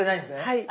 はい。